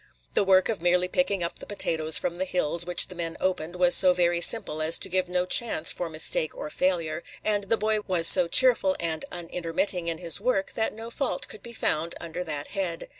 The work of merely picking up the potatoes from the hills which the men opened was so very simple as to give no chance for mistake or failure, and the boy was so cheerful and unintermitting in his work that no fault could be found under that head.